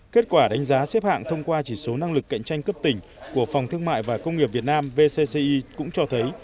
kết quả đánh giá xếp hạng thông qua chỉ số năng lực cạnh tranh cấp tỉnh của phòng thương mại và công nghiệp việt nam vcci cũng cho thấy